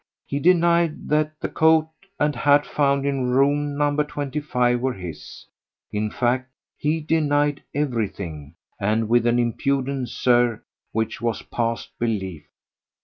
He denied that the coat and hat found in room No. 25 were his; in fact, he denied everything, and with an impudence, Sir, which was past belief.